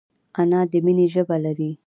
انا د مینې ژبه لري